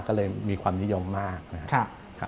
ก็เลยมีความนิยมมากนะครับ